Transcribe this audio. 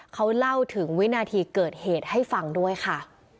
เขาเล่าถึงวินาทีเกิดเหตุให้ฟังด้วยค่ะ